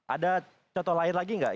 ada contoh lain lagi nggak